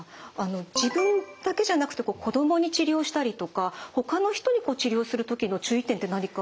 自分だけじゃなくて子供に治療したりとかほかの人に治療する時の注意点って何かありますか？